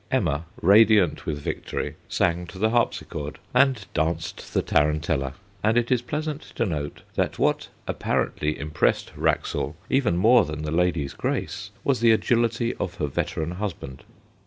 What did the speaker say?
Emma, radiant with victory, sang to the harpsichord and danced the tarantella, and it is pleasant to note that what apparently impressed Wraxall, even more than the lady's grace, was the agility of her veteran husband.